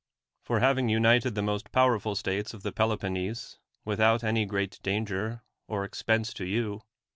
For having united the most powerful states of the Peloponnese. without any great danger or expense to you.